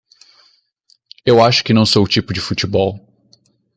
Eu acho que não sou o tipo de futebol.